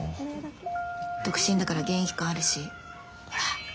独身だから現役感あるしほら